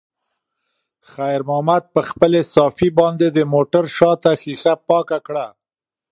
خیر محمد په خپلې صافې باندې د موټر شاته ښیښه پاکه کړه.